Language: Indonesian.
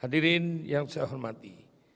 hadirin yang saya hormati